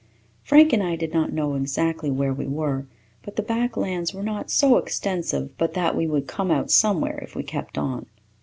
Frank and I did not know exactly where we were, but the back lands were not so extensive but that we would come out somewhere if we kept on.